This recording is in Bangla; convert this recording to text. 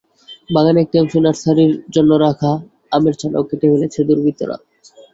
বাগানের একটি অংশে নার্সারির জন্য রাখা আমের চারাও কেটে ফেলেছে দুর্বৃত্তরা।